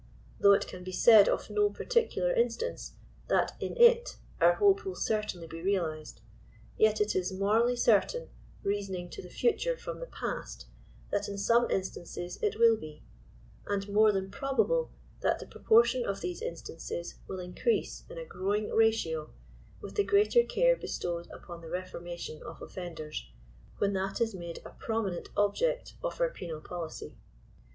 Though it can be said of no particular instance, that in it our hope will certainly be realized, yet it is morally cer^ tain, reasoning to the future from the past, that iasome instances it will be ; and more than probable that the proportion of these instan ces will increase in a growing ratio, with the greater care bestowed upon the reformation of offenders, when that is made a prominent object of our penal policy.